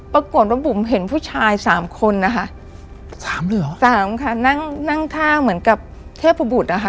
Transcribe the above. ปรากฏว่าบุ๋มเห็นผู้ชายสามคนนะคะสามเลยเหรอสามค่ะนั่งนั่งท่าเหมือนกับเทพบุตรนะคะ